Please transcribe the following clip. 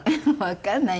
わかんない？